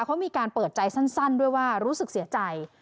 เขามีการเปิดใจสั้นด้วยว่ารู้สึกเสียใจ